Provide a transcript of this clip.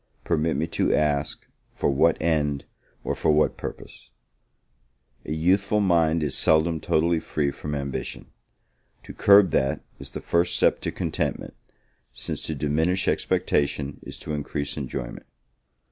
Permit me to ask, for what end, or for what purpose? A youthful mind is seldom totally free from ambition; to curb that, is the first step to contentment, since to diminish expectation is to increase enjoyment.